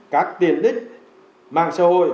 các tiền ích mạng xã hội